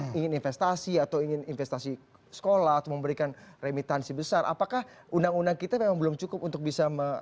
yang ingin investasi atau ingin investasi sekolah atau memberikan remitansi besar apakah undang undang kita memang belum cukup untuk bisa